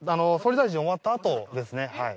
総理大臣終わったあとですね。